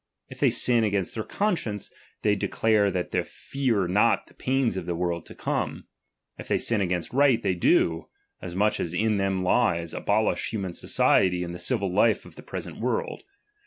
If they sin against their conscience, they declare that they fear not the pains of the world to come ; if they sin against right, they do, as much as in them lies, abolish hu man society and the civil life of the present world.